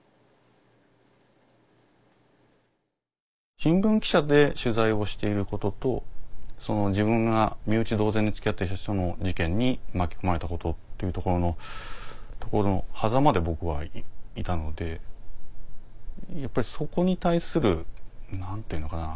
新聞記者で取材をしていることと自分が身内同然に付き合っている人の事件に巻き込まれたことっていうところのはざまで僕はいたのでやっぱりそこに対する何ていうのかな